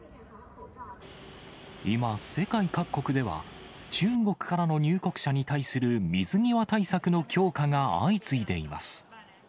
今、世界各国では、中国からの入国者に対する水際対策の強化が相次いでいます。